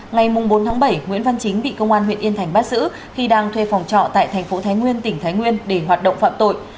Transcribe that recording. ngày bốn bảy nguyễn văn chính bị công an huyện yên thành bắt giữ khi đang thuê phòng trọ tại thành phố thái nguyên tỉnh thái nguyên để hoạt động phạm tội